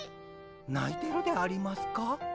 ないてるでありますか？